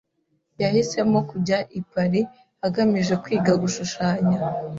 Yahisemo kujya i Paris agamije kwiga gushushanya.